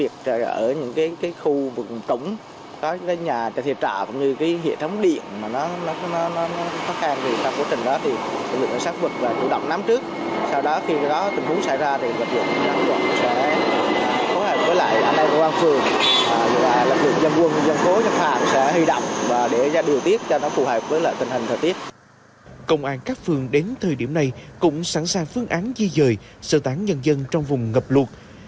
công an các phương đến thời điểm này cũng sẵn sàng phương án di dời sơ tán nhân dân trong vùng ngập luộc